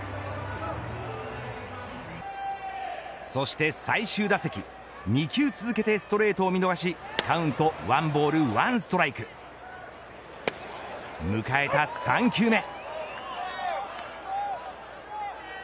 そして最終打席２球続けてストレートを見逃しカウント１ボール１ストライク迎えた３球目。